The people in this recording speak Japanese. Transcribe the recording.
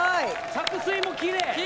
着水もきれい。